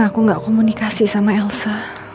aku gak komunikasi sama elsa